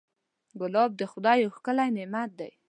ګلاب د خدای یو ښکلی نعمت دی.